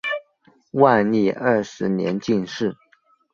万历二十年进士。